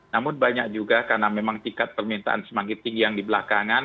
namun banyak juga karena memang tiket permintaan semangkiting yang di belakangan